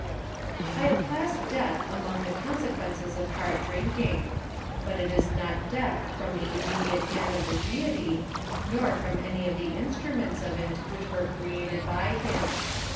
I have classed death among the consequences of hard drinking. But it is not death from the immediate hand of the Deity, nor from any of the instruments of it which were created by him.